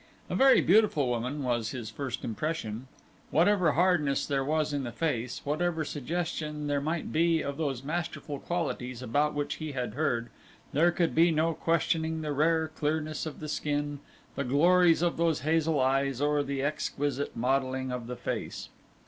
A very beautiful woman was his first impression. Whatever hardness there was in the face, whatever suggestion there might be of those masterful qualities about which he had heard, there could be no questioning the rare clearness of the skin, the glories of those hazel eyes, or the exquisite modelling of the face.